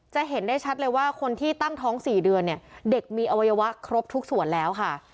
เห็นได้ชัดเลยว่าคนที่ตั้งท้อง๔เดือนเนี่ยเด็กมีอวัยวะครบทุกส่วนแล้วค่ะ